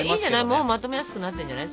もうまとめやすくなってんじゃない？